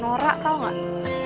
norak tau nggak